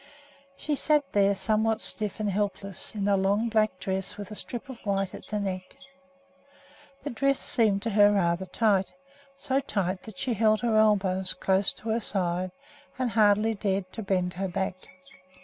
She sat there somewhat stiff and helpless, in a long black dress with a strip of white in the neck. The dress seemed to her rather tight, so tight that she held her elbows close to her side and hardly dared to bend her back.